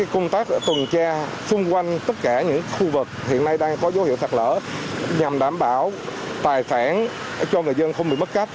công tác tuần tra xung quanh tất cả những khu vực hiện nay đang có dấu hiệu sạt lở nhằm đảm bảo tài khoản cho người dân không bị mất cắp